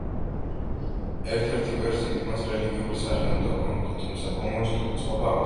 ერთ-ერთი ვერსიით მას რელიგიური სახე უნდა ჰქონოდა, თუმცა კომუნისტური წყობა ამას არ დაუშვებდა.